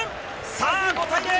さあ、５対０。